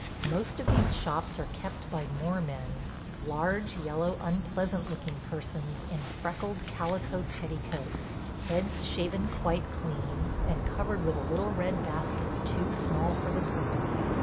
Most of these shops are kept by Moormen – large, yellow, unpleasant looking persons in freckled calico petticoats, heads shaven quite clean and covered with a little red basket too small for the purpose.